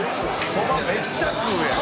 そばめっちゃ食うやん。